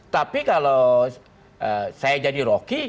tapi kalau saya jadi rocky